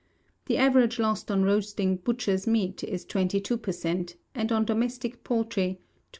The average loss on roasting butcher's meat is 22 percent.: and on domestic poultry, 20 1/2.